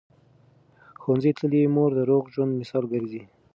ښوونځې تللې مور د روغ ژوند مثال ګرځي.